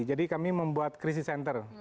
jadi kami membuat krisis center